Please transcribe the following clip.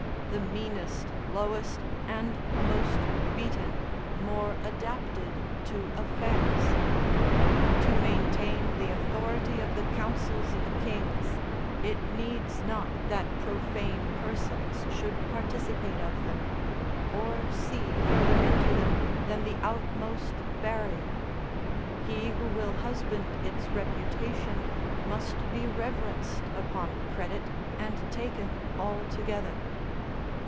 the meanest, lowest, and most beaten more adapted to affairs? To maintain the authority of the counsels of kings, it needs not that profane persons should participate of them, or see further into them than the outmost barrier; he who will husband its reputation must be reverenced upon credit and taken altogether.